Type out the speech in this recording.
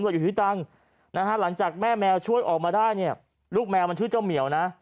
อยู่ที่ตังค์นะฮะหลังจากแม่แมวช่วยออกมาได้เนี่ยลูกแมวมันชื่อเจ้าเหมียวนะ